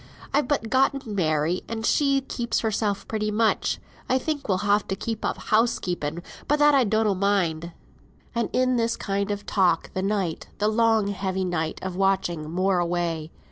I've but gotten Mary, and she keeps hersel pretty much. I think we'll ha' to give up house keeping; but that I donnot mind." And in this kind of talk the night, the long heavy night of watching, wore away.